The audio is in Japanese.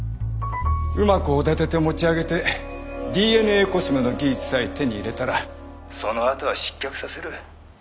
うまくおだてて持ち上げてＤＮＡコスメの技術さえ手に入れたらそのあとは失脚させる。